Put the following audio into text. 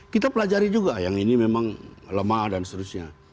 kita pelajari juga yang ini memang lemah dan seterusnya